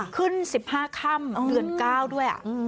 ขึ้น๑๕ค่ำเดือน๙ด้วย